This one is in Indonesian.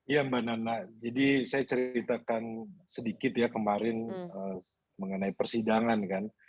ya mbak nana jadi saya ceritakan sedikit ya kemarin mengenai persidangan kan